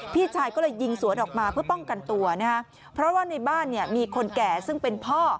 พี่ชายก็เลยยิงสวนออกมาเพื่อป้องกันตัวนะฮะเพราะว่าในบ้านเนี่ยมีคนแก่ซึ่งเป็นพ่อ